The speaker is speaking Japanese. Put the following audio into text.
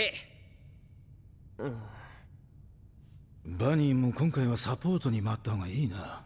バニーも今回はサポートに回ったほうがいいな。